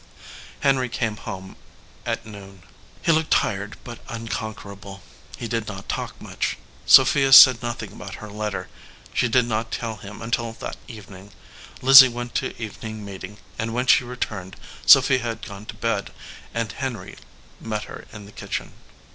Henry came home at noon. He looked tired but unconquerable. He did not talk much. Sophia said nothing about her letter. She did not tell him until that evening. Lizzie went to evening meet ing, and when she returned Sophia had gone to bed, and Henry met her in the kitchen.